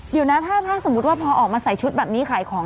เดี๋ยวนะถ้าสมมุติว่าพอออกมาใส่ชุดแบบนี้ขายของ